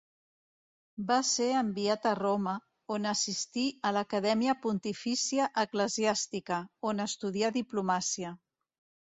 Va ser enviat a Roma, on assistí a l'Acadèmia Pontifícia Eclesiàstica, on estudià diplomàcia.